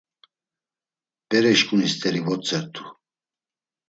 Bereşǩuni st̆eri votzertu.